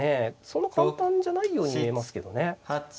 そんな簡単じゃないように見えますけどね。